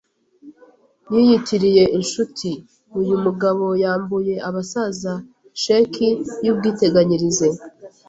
Yiyitiriye inshuti, uyu mugabo yambuye abasaza sheki y’ubwiteganyirize